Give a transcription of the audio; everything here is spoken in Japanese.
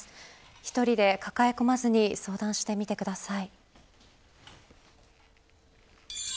１人で抱え込まずに相談してみてください。